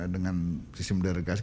dengan sistem deradikalisasi